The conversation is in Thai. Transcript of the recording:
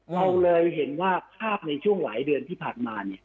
เราเลยเห็นว่าภาพในช่วงหลายเดือนที่ผ่านมา